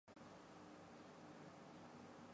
不清楚这条街是否真的以公主命名。